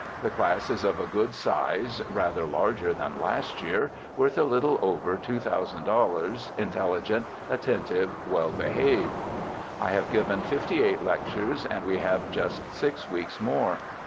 The class is of a good size, rather larger than last year, worth a little over $2,000, intelligent, attentive, well behaved. I have given fifty eight lectures, and we have just six weeks more.